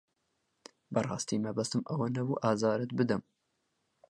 بەڕاستی مەبەستم ئەوە نەبوو ئازارت بدەم.